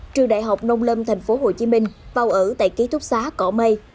trường đại học nông lâm tp hcm vào ở tại ký túc xá cỏ mây